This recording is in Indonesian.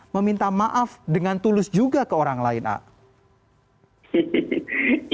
meminta maaf dengan tulus juga ke orang lain